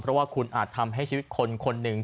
เพราะว่าคุณอาจทำให้ชีวิตคนคนหนึ่ง